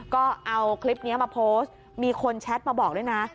ก็เอาคลิปนี้มาโพสต์มีคนแชทมาบอกด้วยนะ